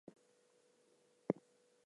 I have forgotten how to read and speak.